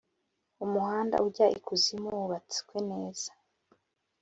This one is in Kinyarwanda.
umuhanda ujya ikuzimu wubatswe neza